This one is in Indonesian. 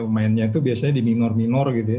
mainnya itu biasanya di minor minor gitu ya